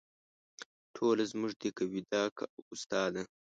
ټوله زموږ دي که ویدا که اوستا ده